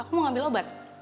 aku mau ambil obat